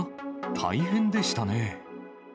大変でしたね。